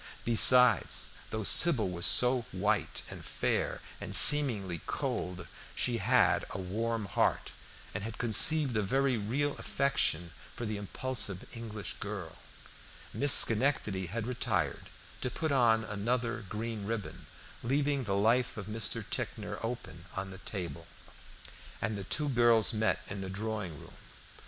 Besides, though Sybil was so white and fair, and seemingly cold, she had a warm heart, and had conceived a very real affection for the impulsive English girl. Miss Schenectady had retired to put on another green ribbon, leaving the life of Mr. Ticknor open on the table, and the two girls met in the drawing room.